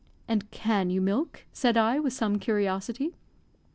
"And can you milk?" said I, with some curiosity.